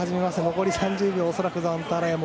残り３０秒恐らくザンタラヤも。